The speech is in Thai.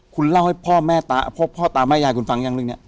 คุณเล่าให้พ่อตาแม่ยายคุณฟังอย่างนึงเนี่ย